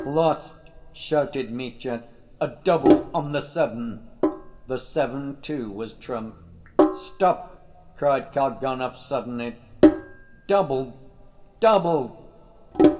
"Lost!" shouted Mitya. "A 'double' on the seven!" The seven too was trumped. "Stop!" cried Kalganov suddenly. "Double! Double!"